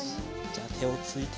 じゃあてをついて。